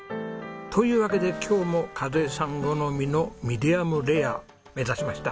というわけで今日も和枝さん好みのミディアムレア目指しました。